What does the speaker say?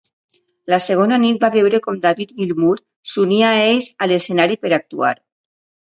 La segona nit va veure com David Gilmour s'unia a ells a l'escenari per actuar.